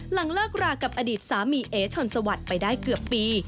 หลังเลิกรากับอดีตสามีเอ๋ชนสวัสดิ์ไปได้เกือบปี